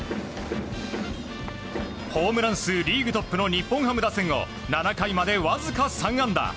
ホームラン数リーグトップの日本ハム打線を７回までわずか３安打。